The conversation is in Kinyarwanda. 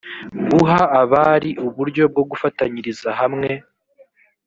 guha abari uburyo bwo gufatanyiriza hamwe